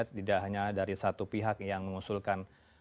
tidak hanya dari satu pihak yang mengusulkan